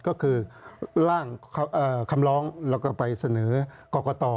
ก็คือร่างคำร้องแล้วก็ไปเสนอกรกต